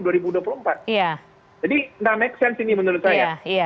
jadi tidak make sense ini menurut saya